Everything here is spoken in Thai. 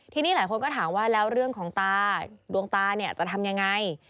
ทีนี้หลายคนก็ถามว่าแล้วเรื่องของตาดวงตาเนี่ยจะทำยังไง